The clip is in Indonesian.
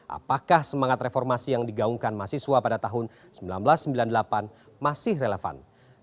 apakah semangat reformasi yang digaungkan mahasiswa pada tahun seribu sembilan ratus sembilan puluh delapan masih relevan